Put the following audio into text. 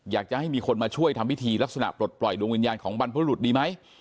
อยากจะให้มีคนมาช่วยทำพิธีลักษณะปลดปล่อยดวงวิญญาณของบรรพรุษดีไหม